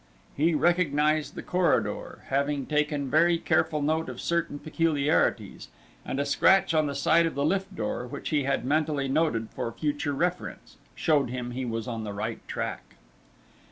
He recognized the corridor, having taken very careful note of certain peculiarities, and a scratch on the side of the lift door, which he had mentally noted for future reference, showed him he was on the right track.